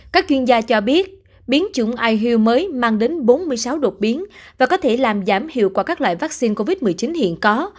các chuyên gia cho biết biến chủng ihu mới mang đến bốn mươi sáu đột biến và có thể làm giảm hiệu quả các loại vaccine covid một mươi chín hiện có